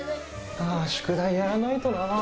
ああ宿題やらないとな。